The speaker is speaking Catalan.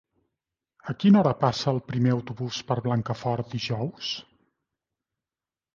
A quina hora passa el primer autobús per Blancafort dijous?